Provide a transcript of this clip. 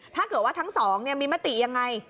ถ้าเกิดว่าทั้งสองมีมติยังไง